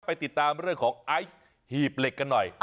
ไปติดตามเรื่องของไอซ์หีบเหล็กกันหน่อย